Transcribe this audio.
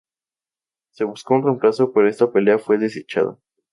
Se buscó un reemplazo, pero esta pelea fue desechada.